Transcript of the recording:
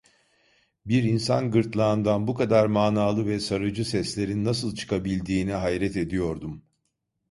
Bir insan gırtlağından bu kadar manalı ve sarıcı seslerin nasıl çıkabildiğine hayret ediyordum.